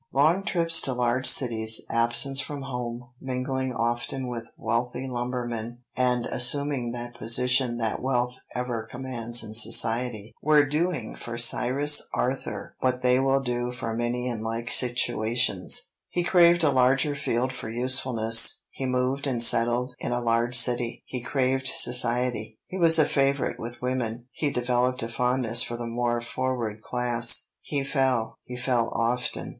Long trips to large cities, absence from home, mingling often with wealthy lumbermen, and assuming that position that wealth ever commands in society, were doing for Cyrus Arthur what they will do for many in like situations. He craved a larger field for usefulness, he moved and settled in a large city; he craved society, he was a favorite with women; he developed a fondness for the more forward class. He fell; he fell often.